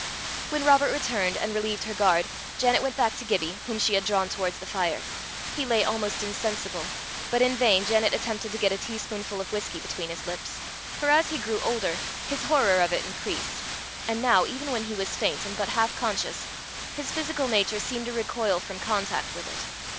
When Robert returned and relieved her guard, Janet went back to Gibbie, whom she had drawn towards the fire. He lay almost insensible, but in vain Janet attempted to get a teaspoonful of whisky between his lips. For as he grew older, his horror of it increased; and now, even when he was faint and but half conscious, his physical nature seemed to recoil from contact with it.